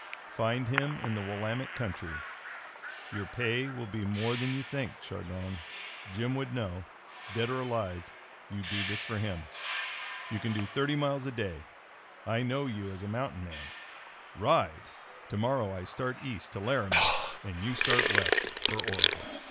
Find him in the Willamette country. Your pay will be more than you think, Chardon. Jim would know. Dead or alive, you do this for him. "You can do thirty miles a day. I know you as a mountain man. Ride! To morrow I start east to Laramie and you start west for Oregon!"